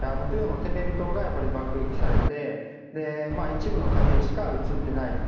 というのも、テレビ塔がやっぱり爆撃されて、一部の家庭しか映ってない。